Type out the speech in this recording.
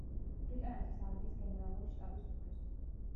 ბრიტანეთის არმიის გენერალური შტაბის უფროსი.